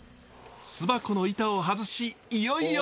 巣箱の板を外しいよいよ。